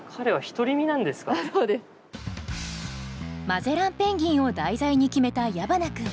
マゼランペンギンを題材に決めた矢花君。